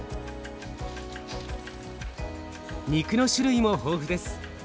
肉の種類も豊富です。